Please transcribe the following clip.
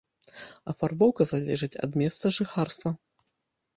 Афарбоўка залежыць ад месца жыхарства.